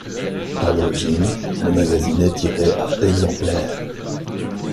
À l'origine, le magazine est tiré à exemplaires.